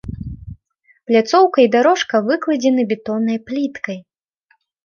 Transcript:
Пляцоўка і дарожка выкладзены бетоннай пліткай.